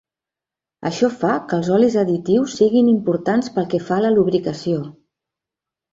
Això fa que els olis additius siguin importants pel que fa a la lubricació.